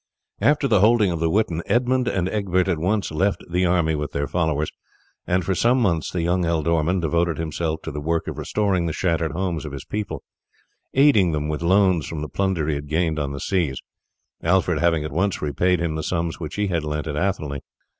After the holding of the witan Edmund and Egbert at once left the army with their followers, and for some months the young ealdorman devoted himself to the work of restoring the shattered homes of his people, aiding them with loans from the plunder he had gained on the seas, Alfred having at once repaid him the sums which he had lent at Athelney.